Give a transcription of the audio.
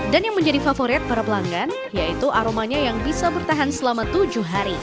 dan yang menjadi favorit para pelanggan yaitu aromanya yang bisa bertahan selama tujuh hari